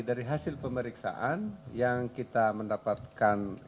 dari hasil pemeriksaan yang kita mendapatkan